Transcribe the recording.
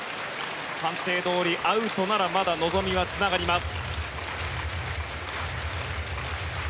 判定どおり、アウトならまだ望みはつながります。